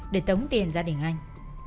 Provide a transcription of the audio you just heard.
để tống tiền gia đình anh